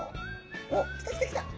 お来た来た来た。